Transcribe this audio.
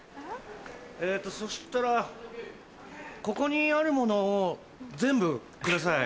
えっとそしたらここにあるものを全部ください。